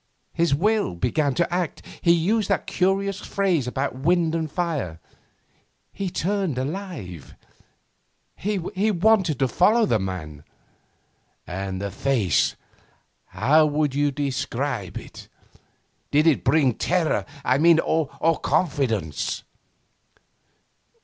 His will began to act. He used that curious phrase about wind and fire. He turned alive. He wanted to follow the man ' 'And the face how would you describe it? Did it bring terror, I mean, or confidence?